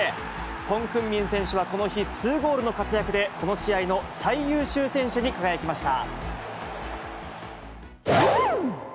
ソン・フンミン選手はこの日、ツーゴールの活躍で、この試合の最優秀選手に輝きました。